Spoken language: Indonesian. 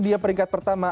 dia peringkat pertama